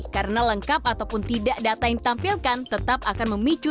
karena lengkap ataupun tidak terlalu berbeda dengan teknik teknik yang diperlukan di bank tersebut